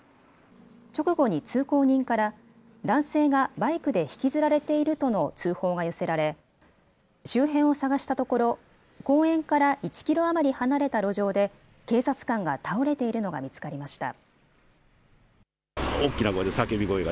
直後に通行人から男性がバイクで引きずられているとの通報が寄せられ、周辺を捜したところ、公園から１キロ余り離れた路上で、警察官が倒れているのが見つかりました。